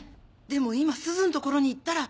でも今すずの所に行ったら。